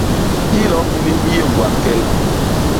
Hilo hini hi yé ñgwañ kel.